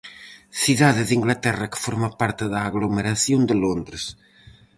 Cidade de Inglaterra que forma parte da aglomeración de Londres.